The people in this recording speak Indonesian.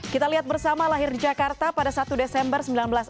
kita lihat bersama lahir di jakarta pada satu desember seribu sembilan ratus enam puluh